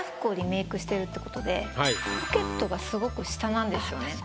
ポケットがすごく下なんですよね。